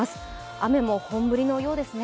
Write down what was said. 雨も本降りのようですね。